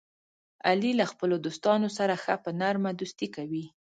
علي له خپلو دوستانو سره ښه په نره دوستي کوي.